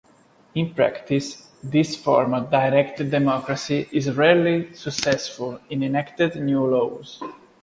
In practice this form of direct democracy is rarely successful in enacted new laws.